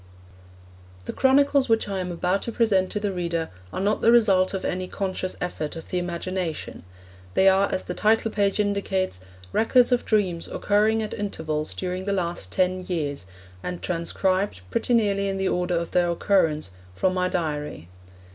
The chronicles which I am about to present to the reader are not the result of any conscious effort of the imagination. They are, as the title page indicates, records of dreams occurring at intervals during the last ten years, and transcribed, pretty nearly in the order of their occurrence, from my diary.